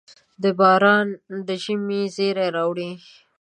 • باران د ژمي زېری راوړي.